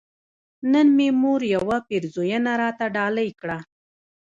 نن مې مور يوه پيرزوينه راته ډالۍ کړه